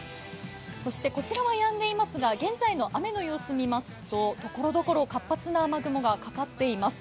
そしてこちらはやんでいますが、現在の雨の様子を見ますとところどころ活発な雨雲がかかっています。